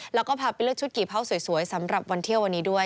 แล้วก็พาไปเลือกชุดกี่เผาสวยสำหรับวันเที่ยววันนี้ด้วย